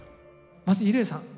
まず伊礼さん。